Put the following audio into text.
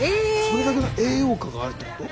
それだけの栄養価があるってこと？